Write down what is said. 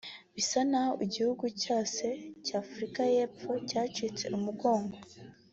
Bisa n’aho igihugu cyose cya Africa y’Epfo cyacitse umugongo